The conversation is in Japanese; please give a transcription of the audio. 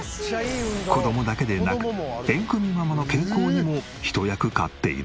子供だけでなくエンクミママの健康にも一役買っている。